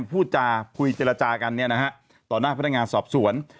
พูดจาคุยเจรจากันต่อหน้าพนักงานสอบสวน